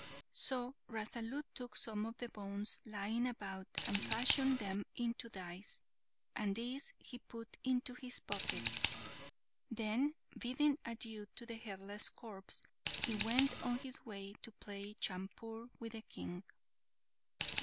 So Rasalu took some of the bones lying about, and fashioned them into dice, and these he put into his pocket. Then, bidding adieu to the headless corpse, he went on his way to play chaupur with the King.